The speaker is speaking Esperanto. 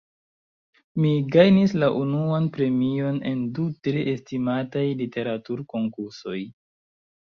Mi gajnis la unuan premion en du tre estimataj literaturkonkursoj.